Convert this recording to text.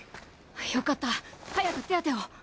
よかった早く手当てを。